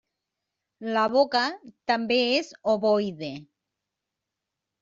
La boca també és ovoide.